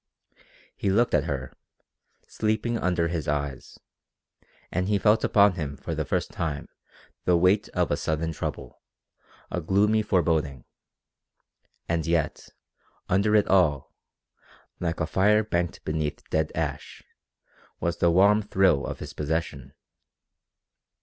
He looked at her, sleeping under his eyes, and he felt upon him for the first time the weight of a sudden trouble, a gloomy foreboding and yet, under it all, like a fire banked beneath dead ash, was the warm thrill of his possession.